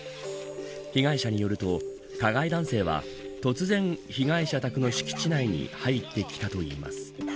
被害者によると加害男性は突然、被害者宅の敷地内に入ってきたといいます。